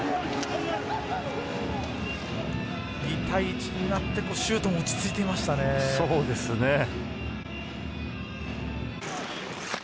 ２対１になってシュートも落ち着いていましたね。